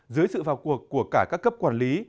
dưới sự vào cuộc của cả các cấp quản lý